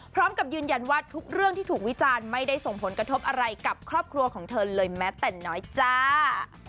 พร้อมกับยืนยันว่าทุกเรื่องที่ถูกวิจารณ์ไม่ได้ส่งผลกระทบอะไรกับครอบครัวของเธอเลยแม้แต่น้อยจ้า